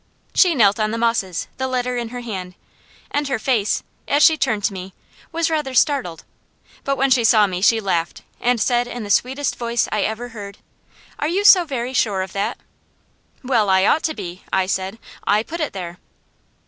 She knelt on the mosses, the letter in her hand, and her face, as she turned to me, was rather startled; but when she saw me she laughed, and said in the sweetest voice I ever heard: "Are you so very sure of that?" "Well I ought to be," I said. "I put it there."